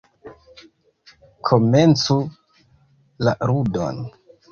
Komencu la ludon!